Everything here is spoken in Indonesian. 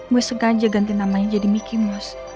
gue sengaja ganti namanya jadi mickey mouse